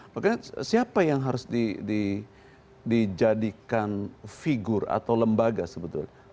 makanya siapa yang harus dijadikan figur atau lembaga sebetulnya